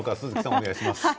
お願いします。